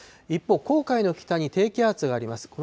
一方、黄海の北に低気圧があります。